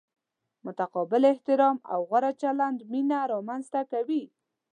متقابل احترام او غوره چلند مینه را منځ ته کوي.